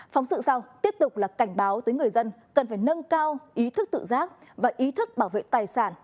phóng sự sau tiếp tục là cảnh báo tới người dân cần phải nâng cao ý thức tự giác và ý thức bảo vệ tài sản